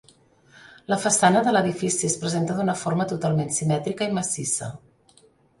La façana de l'edifici es presenta d'una forma totalment simètrica i massissa.